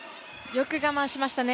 よく我慢しましたね。